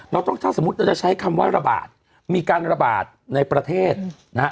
เราต้องถ้าสมมุติเราจะใช้คำว่าระบาดมีการระบาดในประเทศนะฮะ